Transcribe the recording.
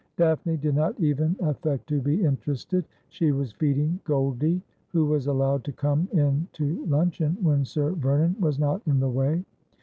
Daphne did not even affect to be interested. She was feed ing Goldie, who was allowed to come in to luncheon when Sir Vernon was not in the way.